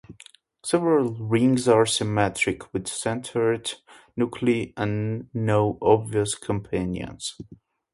Several rings are symmetric with centered nuclei and no obvious companions.